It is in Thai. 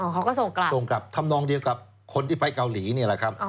เขาก็ส่งกลับส่งกลับทำนองเดียวกับคนที่ไปเกาหลีนี่แหละครับ